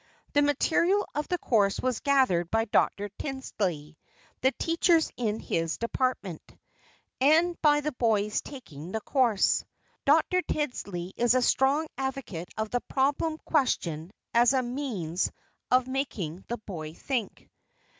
The material of the course was gathered by Dr. Tildsley, the teachers in his department, and by the boys taking the course. Dr. Tildsley is a strong advocate of the problem question as a means of making the boy think.